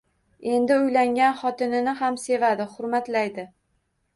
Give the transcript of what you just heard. Endi uylangan xotini ham sevadi, hurmatlaydi.